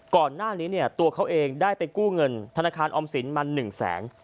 ก่อนหน้านี้เนี่ยตัวเขาเองได้ไปกู้เงินธนาคารออมสินมา๑แสน